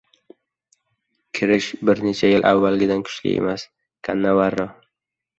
Krish bir necha yil avvalgidek kuchli emas – Kannavarro